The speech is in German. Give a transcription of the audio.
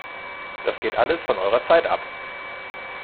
Das geht alles von eurer Zeit ab!